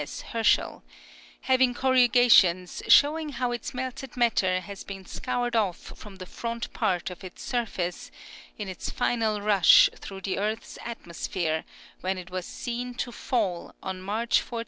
S. Herschel), having corrugations showing how its melted matter has been scoured off from the front part, of its sur face, in its final rush through the earth's atmosphere when it was seen to fall on March 14th, 1881, at 3.